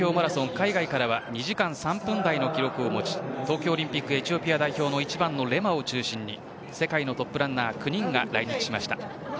海外からは２時間３分台の記録を持ち東京オリンピックエチオピア代表のレマを代表に世界のトップランナー９人が来日しました。